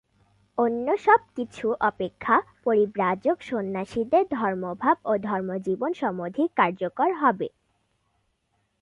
অন্য সব কিছু অপেক্ষা পরিব্রাজক সন্ন্যাসীদের ধর্মভাব ও ধর্মজীবন সমধিক কার্যকর হবে।